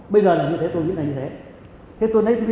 bây giờ là như thế tôi nghĩ là như thế